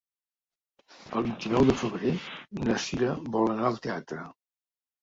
El vint-i-nou de febrer na Sira vol anar al teatre.